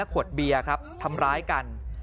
ขวดเบียร์ครับทำร้ายกัน